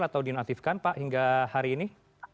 atau dinonaktifkan pak hingga hari ini